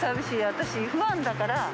私、ファンだから。